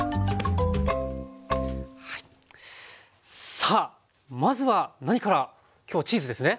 さあまずは何から今日はチーズですね。